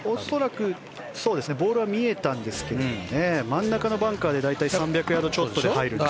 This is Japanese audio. ボールは見えたんですけど真ん中のバンカーで大体３００ヤードちょっとです。